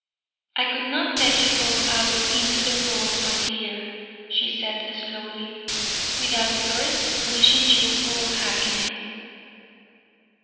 "I could not let you go out into the world, my dear," she said, slowly, "without first wishing you all happiness."